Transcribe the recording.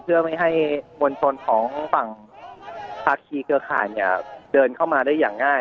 เพื่อไม่ให้มวลชนของฝั่งภาคีเครือข่ายเนี่ยเดินเข้ามาได้อย่างง่าย